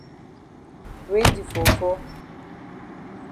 Rain di fall fall.